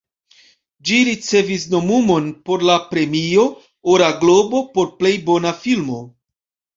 Ĝi ricevis nomumon por la Premio Ora Globo por Plej bona Filmo.